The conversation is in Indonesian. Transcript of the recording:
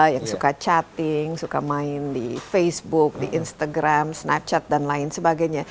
yang suka chatting suka main di facebook di instagram snapchat dan lain sebagainya